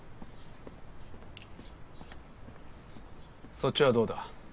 そっちはどうだ？